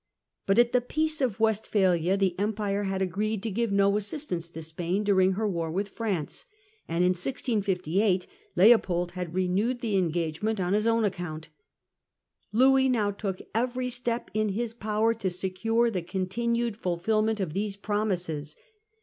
But at the Peace of Westphalia the Empire had agreed to give no assistance to Spain during her war with France, and in 1658 Leopold had renewed the engagement on his own account. Louit now took every step in his power to secure the continued fulfilment of these promises.